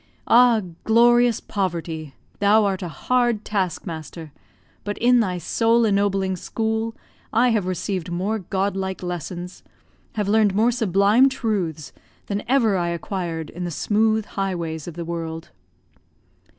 Ah, glorious poverty! thou art a hard taskmaster, but in thy soul ennobling school, I have received more godlike lessons, have learned more sublime truths, than ever I acquired in the smooth highways of the world!